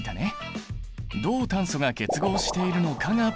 どう炭素が結合しているのかがポイント！